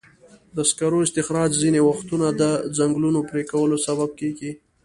د سکرو استخراج ځینې وختونه د ځنګلونو پرېکولو سبب کېږي.